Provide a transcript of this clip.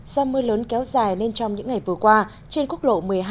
do mưa lớn kéo dài nên trong những ngày vừa qua trên quốc lộ một mươi hai